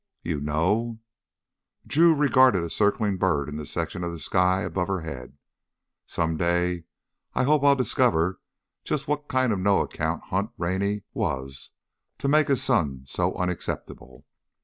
"You know " Drew regarded a circling bird in the section of sky above her head "some day I hope I'll discover just what kind of a no account Hunt Rennie was, to make his son so unacceptable.